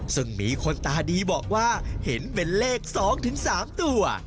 ซึ่งมีคนตาดีบอกว่าเห็นเป็นเลข๒๓ตัว